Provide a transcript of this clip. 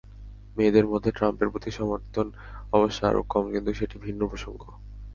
মেয়েদের মধ্যে ট্রাম্পের প্রতি সমর্থন অবশ্য আরও কম, কিন্তু সেটি ভিন্ন প্রসঙ্গ।